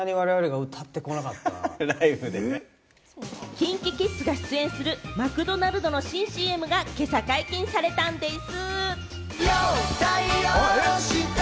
ＫｉｎＫｉＫｉｄｓが出演するマクドナルドの新ＣＭが今朝解禁されたんでぃす！